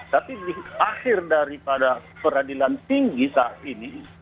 tapi di akhir daripada peradilan tinggi saat ini